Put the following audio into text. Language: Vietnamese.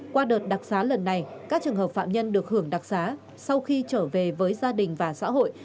qua đợt đặc xá lần này các trường hợp phạm nhân được hưởng đặc xá sau khi trở về với gia đình và xã hội